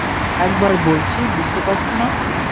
একবার বলছি বুঝতে পারছ না?